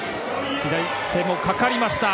左手もかかりました。